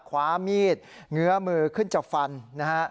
ขวามีดเงื้อมือขึ้นจากฟันนะครับ